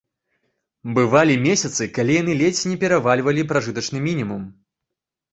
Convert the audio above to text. Бывалі месяцы, калі яны ледзь перавальвалі пражытачны мінімум.